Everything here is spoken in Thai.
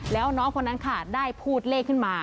แล้วน้องคนนั้นค่ะได้พูดเลขขึ้นมา